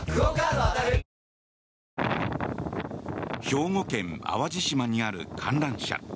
兵庫県・淡路島にある観覧車。